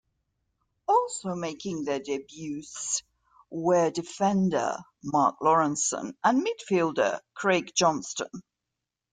Also making their debuts were defender Mark Lawrenson and midfielder Craig Johnston.